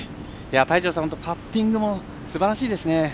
泰二郎さん、パッティングもすばらしいですね。